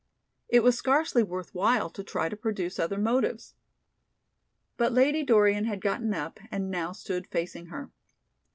It was scarcely worth while to try to produce other motives. But Lady Dorian had gotten up and now stood facing her.